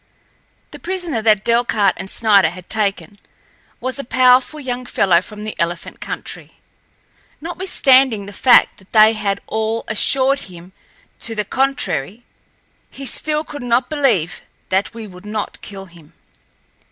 The prisoner that Delcarte and Snider had taken was a powerful young fellow from the elephant country. Notwithstanding the fact that they had all assured him to the contrary, he still could not believe that we would not kill him.